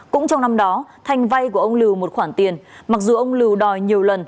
cũng trong năm đó thành vay của ông lưu một khoản tiền mặc dù ông lưu đòi nhiều lần